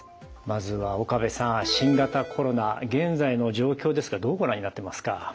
まずは岡部さん新型コロナ現在の状況ですがどうご覧になってますか？